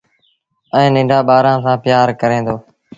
ائيٚݩ ننڍآݩ ٻآرآݩ سآݩ پيٚآر ڪري دو